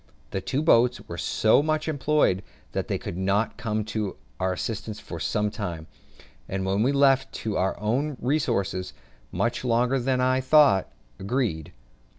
The two boats were so much employed that they could not come to our assistance for some time, and we were left to our own resources much longer than I thought agreeable.